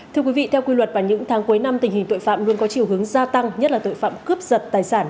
thưa quý vị theo quy luật vào những tháng cuối năm tình hình tội phạm luôn có chiều hướng gia tăng nhất là tội phạm cướp giật tài sản